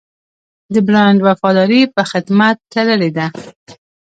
د برانډ وفاداري په خدمت تړلې ده.